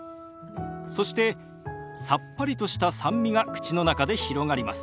そしてさっぱりとした酸味が口の中で広がります。